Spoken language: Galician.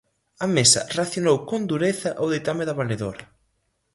A Mesa reaccionou con dureza ao ditame da Valedora.